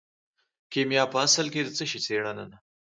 کیمیا په اصل کې د څه شي څیړنه ده.